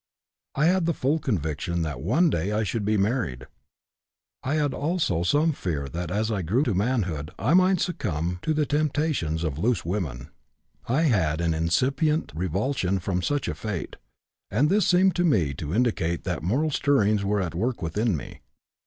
I had the full conviction that one day I should be married; I had also some fear that as I grew to manhood I might succumb to the temptations of loose women. I had an incipient revulsion from such a fate, and this seemed to me to indicate that moral stirrings were at work within me.